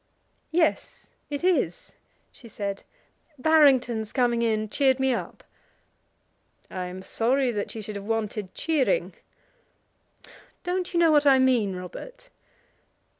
"Yes; it is," she said, "Barrington's coming in cheered me up." "I am sorry that you should have wanted cheering." "Don't you know what I mean, Robert?"